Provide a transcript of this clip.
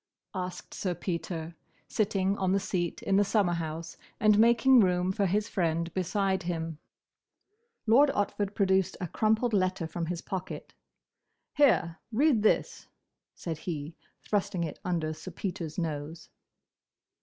asked Sir Peter, sitting on the seat in the summer house and making room for his friend beside him. Lord Otford produced a crumpled letter from his pocket. "Here! Read this!" said he, thrusting it under Sir Peter's nose.